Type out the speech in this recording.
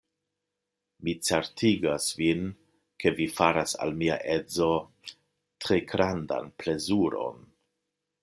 Mi certigas vin, ke vi faras al mia edzo tre grandan plezuron.